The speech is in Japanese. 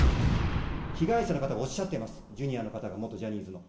被害者の方がおっしゃってます、ジュニアの方が、元ジャニーズの。